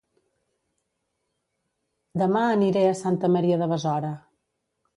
Dema aniré a Santa Maria de Besora